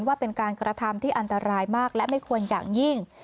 ว่าเป็นการกระทำที่อันตรายมากและไม่ควรอย่างยิ่ง